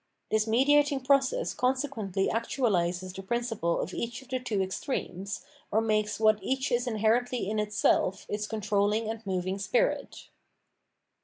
This mediating process consequently actuahses the principle of each of the two extremes, or makes what each is inherently in itself its controlling and moving spirit.